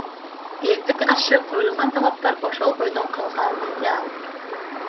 Тилекке каршы, коюлган талаптар ошол бойдон калган, — деди ал.